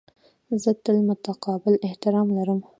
زه تل متقابل احترام لرم.